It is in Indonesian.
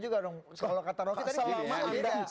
kalau kata roky tadi